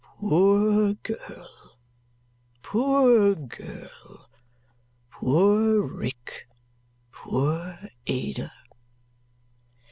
"Poor girl, poor girl! Poor Rick! Poor Ada!"